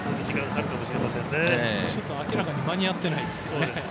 ちょっと明らかに間に合ってないですね。